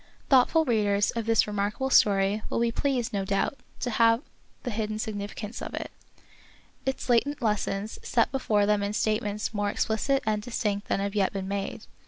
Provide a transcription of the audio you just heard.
Thoughtful readers of this remarkable story will be pleased, no doubt, to have the hidden significance of it, its latent lessons, set before them in statements more explicit and distinct than have yet been made.